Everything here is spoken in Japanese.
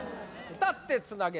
歌ってつなげ！